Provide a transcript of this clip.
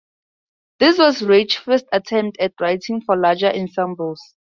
This was Reich's first attempt at writing for larger ensembles.